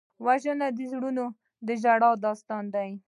وژنه د زړونو د ژړا داستان دی